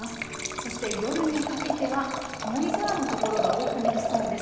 そして夜にかけては曇り空の所が多くなりそうです。